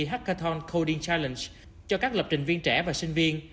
hackathon coding challenge cho các lập trình viên trẻ và sinh viên